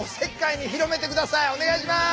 お願いします。